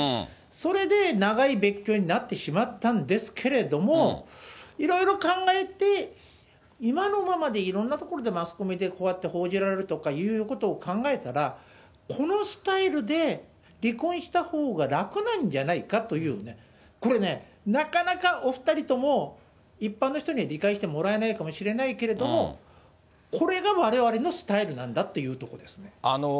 それで、長い別居になってしまったんですけれども、いろいろ考えて、今のままでいろんなところでマスコミでこうやって報じられるということを考えたら、このスタイルで離婚したほうが楽なんじゃないかというね、これね、なかなかお２人とも、一般の人には理解してもらえないかもしれないけど、これがわれわれのスタイルなんだっていうところですね。